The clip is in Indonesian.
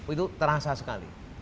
itu terasa sekali